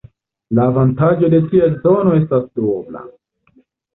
La avantaĝo de tia zono estas duobla.